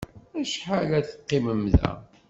Acḥal ad teqqimem da?